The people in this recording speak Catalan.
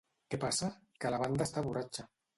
—Què passa? —Que la banda està borratxa.